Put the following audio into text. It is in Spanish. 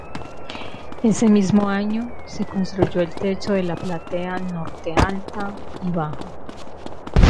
Ese mismo año, se construyó el techo de la Platea Norte Alta y Baja.